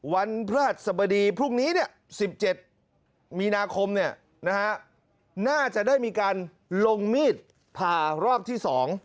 วันพระหัสสบดีพรุ่งนี้๑๗มีนาคมน่าจะได้มีการลงมีดผ่ารอบที่๒